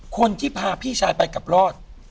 คนที่พาพี่ชายไปกับรอด